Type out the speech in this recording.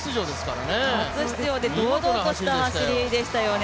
初出場で堂々とした走りでしたよね。